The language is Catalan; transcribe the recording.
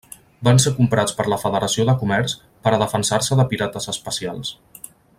Van ser comprats per la Federació de comerç per a defensar-se de pirates espacials.